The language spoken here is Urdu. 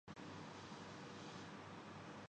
جدید سائنس نے گرمی کا مستقل توڑ نکال دیا ہے